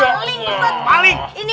ada apa ini